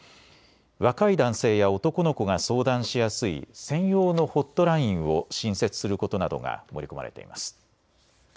若い男性や男の子が相談しやすい専用のホットラインを新設することなどが盛り込まれています。